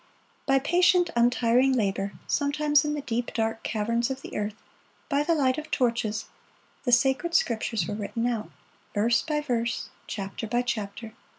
By patient, untiring labor, sometimes in the deep, dark caverns of the earth, by the light of torches, the sacred Scriptures were written out, verse by verse, chapter by chapter.